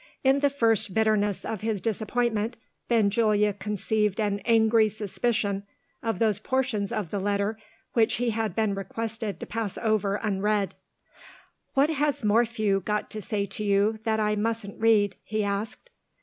In the first bitterness of his disappointment, Benjulia conceived an angry suspicion of those portions of the letter which he had been requested to pass over unread. "What has Morphew got to say to you that I mustn't read?" he asked.